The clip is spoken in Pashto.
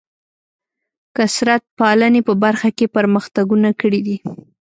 کثرت پالنې په برخه کې پرمختګونه کړي دي.